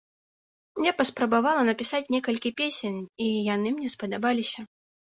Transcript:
Я паспрабавала напісаць некалькі песень, і яны мне спадабаліся.